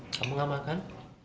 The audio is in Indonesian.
kamu gak makan